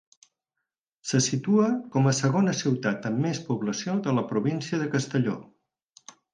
Se situa com a segona ciutat amb més població de la província de Castelló.